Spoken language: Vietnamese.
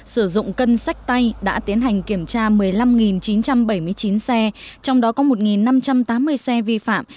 sử dụng cân sách tay đã tiến hành kiểm tra một mươi năm chín trăm bảy mươi chín xe trong đó có một năm trăm tám mươi xe vi phạm